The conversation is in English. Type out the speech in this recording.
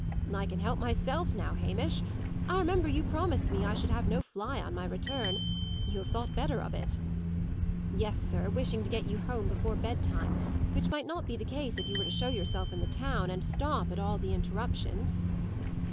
"I can help myself now, Hamish. I remember you promised me I should have no fly on my return. You have thought better of it." "Yes, sir, wishing to get you home before bed time, which might not be the case if you were to show yourself in the town, and stop at all the interruptions."